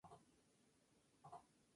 Jugaba en el puesto de base.